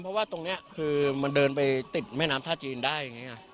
เพราะว่าตรงนี้คือมันเดินไปติดแม่น้ำท่าจีนได้